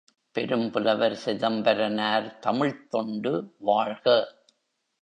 பெரும்புலவர் சிதம்பரனார் தமிழ்த் தொண்டு வாழ்க!